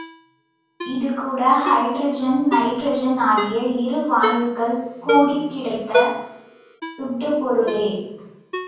இதுகூட hydrogen, nitrogen ஆகிய இரு வாயுக்கள் கூடிக் கிடைத்த சுட்டுப் பொருளே.